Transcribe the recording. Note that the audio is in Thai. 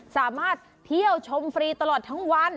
สามารถเที่ยวชมฟรีตลอดทั้งวัน